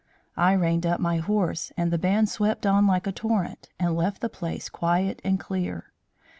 I reined up my horse, and the band swept on like a torrent, and left the place quiet and clear.